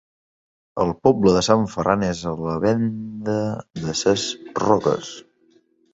El poble de Sant Ferran és a la vénda de ses Roques.